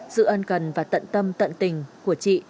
sự ân cần và tận tâm tận tình của chị